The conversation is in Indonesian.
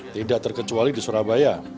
tidak terkecuali di surabaya